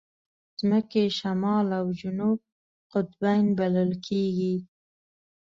د ځمکې شمال او جنوب قطبین بلل کېږي.